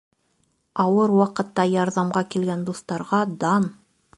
Ауыр ваҡытта ярҙамга килгән дуҫтарға дан!